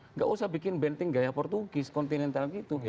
nggak usah bikin benteng gaya portugis kontinental gitu